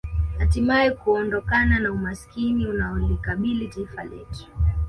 Hatimae kuondokana na umaskini unaolikabili taifa letu